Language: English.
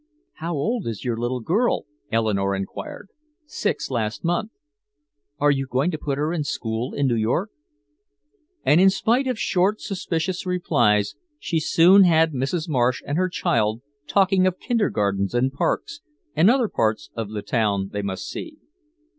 "How old is your little girl?" Eleanore inquired. "Six last month." "Are you going to put her in school in New York?" And in spite of short suspicious replies she soon had Mrs. Marsh and her child talking of kindergartens and parks and other parts of the town they must see.